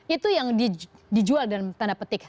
itu yang dijual dalam tanda petik